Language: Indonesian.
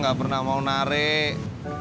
gak pernah mau narik